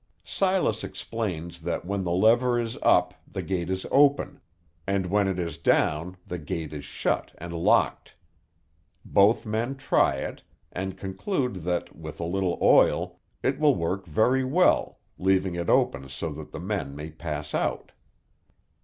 Silas explains that when the lever is up the gate is open, and when it is down the gate is shut and locked. Both men try it, and conclude that, with a little oil, it will work very well, leaving it open so that the men may pass out.